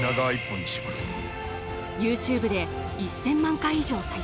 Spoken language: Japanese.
ＹｏｕＴｕｂｅで１０００万回以上。